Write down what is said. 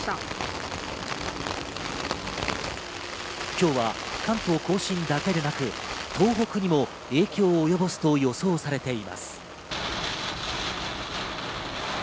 今日は関東甲信だけでなく、東北にも影響を及ぼすと予想されています。